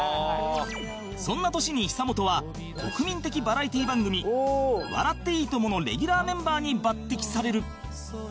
そんな年に久本は国民的バラエティ番組『笑っていいとも！』のレギュラーメンバーに抜擢される